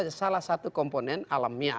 ini adalah salah satu komponen alamiah